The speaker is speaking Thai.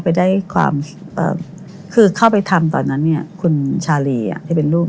ปลายแล้วค่ะตอนนี้เป็นกบุตุ